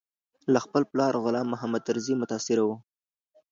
له خپل پلار غلام محمد طرزي متاثره و.